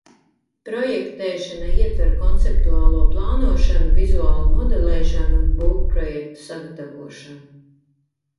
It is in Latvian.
Projektēšana ietver konceptuālo plānošanu, vizuālu modelēšanu un būvprojektu sagatavošanu.